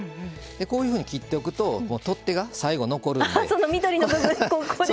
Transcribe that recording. こういうふうに切っておくと取っ手が最後残るっていう。